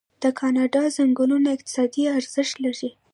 د کاناډا ځنګلونه اقتصادي ارزښت لري.